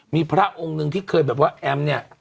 มีพระองค์นึงที่แอมเนี่ย